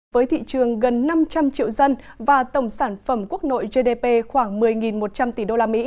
với thị trường gần năm trăm linh triệu dân và tổng sản phẩm quốc nội gdp khoảng một mươi một trăm linh tỷ usd